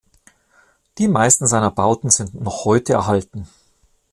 Die meisten seiner Bauten sind noch heute erhalten.